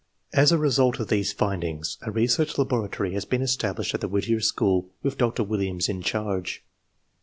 As a result of these foldings a research laboratory has been established at the Whittier School, with Dr. Williams in charge.